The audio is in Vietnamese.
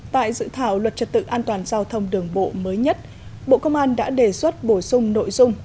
tại dự thảo luật trật tự an toàn giao thông đường bộ mới nhất bộ công an đã đề xuất bổ sung nội dung